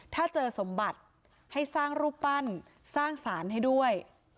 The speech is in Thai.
ถ้าเจอสมบัติให้สร้างรูปปั้นสร้างสารให้ด้วย